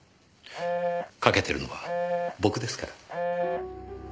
かけてるのは僕ですから。